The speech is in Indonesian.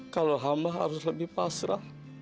kalau hamba harus lebih pasrah